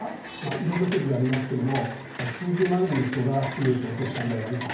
いろんな説がありますけども数十万人の人が命を落としたのではないかというふうに考えられています。